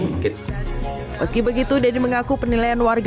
meski begitu deddy mengaku penilaian warga